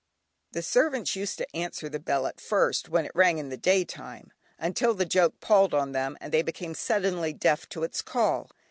The servants used to answer the bell at first when it rang in the day time, until the joke palled on them, and they became suddenly deaf to its call.